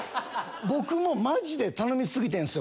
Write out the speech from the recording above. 僕もマジで頼み過ぎてんすよ